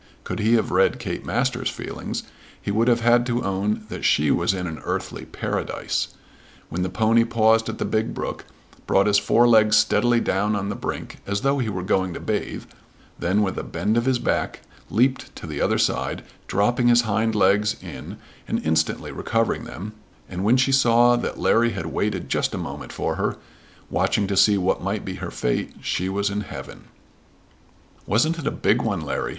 Could he have read Kate Masters' feelings he would have had to own that she was in an earthly Paradise. When the pony paused at the big brook, brought his four legs steadily down on the brink as though he were going to bathe, then with a bend of his back leaped to the other side, dropping his hind legs in and instantly recovering them, and when she saw that Larry had waited just a moment for her, watching to see what might be her fate, she was in heaven. "Wasn't it a big one, Larry?"